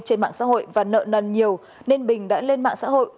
trên mạng xã hội và nợ nần nhiều nên bình đã lên mạng xã hội